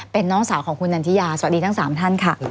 เป็นน้องสาวของคุณนันทิยาสวัสดีทั้ง๓ท่านค่ะ